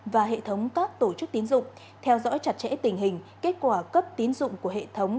và hệ thống các tổ chức tín dụng theo dõi chặt chẽ tình hình kết quả cấp tín dụng của hệ thống